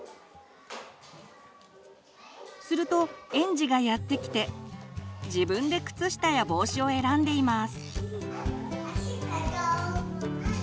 すると園児がやって来て自分で靴下や帽子を選んでいます。